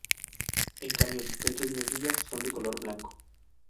En cambio su penacho y mejillas son de color blanco.